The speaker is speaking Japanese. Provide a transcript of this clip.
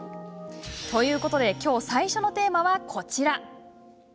ということできょう最初のテーマはこちら。